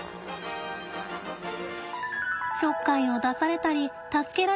ちょっかいを出されたり助けられたり。